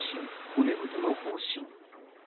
骨太の方針。